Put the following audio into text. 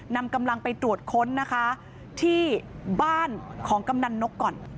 นำกำลังไปตรวจค้นนะคะที่บ้านของกำนันนกก่อน